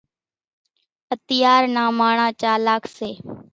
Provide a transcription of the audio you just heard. اتيار نان ماڻۿان چالاڪ سي۔